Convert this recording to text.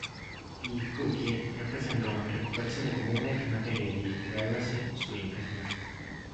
I "cookie" rappresentano una preoccupazione comune in materia di "privacy" su Internet.